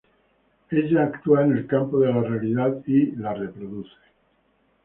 Ella actúa en el campo de la realidad y la reproduce.